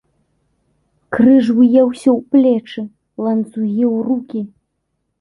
Крыж уеўся ў плечы, ланцугі у рукі!